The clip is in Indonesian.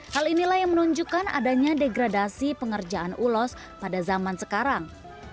hal inilah yang menunjukkan adanya degradasi pengerjaan ulos pada zaman sekarang